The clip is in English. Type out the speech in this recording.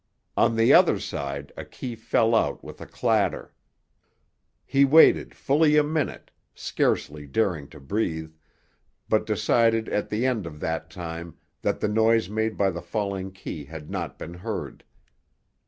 On the other side a key fell out with a clatter. He waited fully a minute, scarcely daring to breathe, but decided at the end of that time that the noise made by the falling key had not been heard.